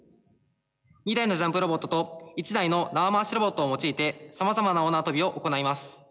２台のジャンプロボットと１台の縄回しロボットを用いてさまざまな大縄跳びを行います。